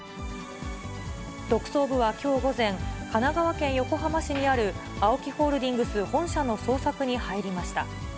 特捜部はきょう午前、神奈川県横浜市にあるＡＯＫＩホールディングス本社の捜索に入りました。